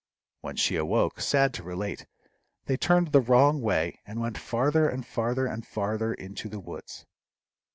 When she awoke, sad to relate, they turned the wrong way, and went farther and farther and farther into the woods.